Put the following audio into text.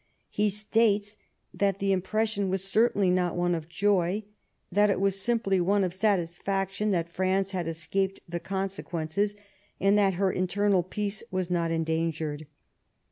He states that the impression was certainly not one of joy ; that it was simply one of satisfaction that France had escaped the consequences, and that her internal peace was not en dangered.